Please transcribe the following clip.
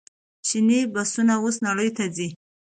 چیني بسونه اوس نړۍ ته ځي.